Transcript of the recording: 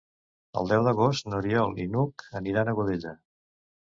El deu d'agost n'Oriol i n'Hug aniran a Godella.